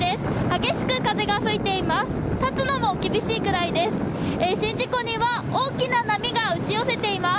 激しく風が吹いています。